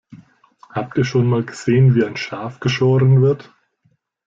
Habt ihr schon mal gesehen, wie ein Schaf geschoren wird?